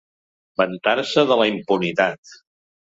Vantar-se de la impunitat.